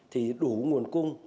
thì đủ nguồn cung